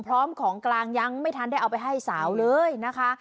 พร้อมของกลางยังไม่ทันได้เอาไปให้สาวเลยนะคะ